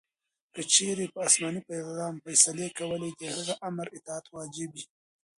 کې چیري په اسماني پیغام فیصلې کولې؛ د هغه آمر اطاعت واجب يي.